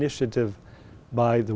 được phát triển bởi